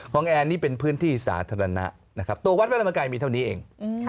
งแอร์นี่เป็นพื้นที่สาธารณะนะครับตัววัดพระธรรมกายมีเท่านี้เอง